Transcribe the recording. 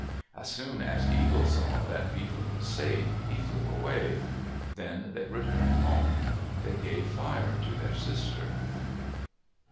As soon as Eagle saw that Beaver was safe, he flew away. Then they returned home. They gave fire to their sister.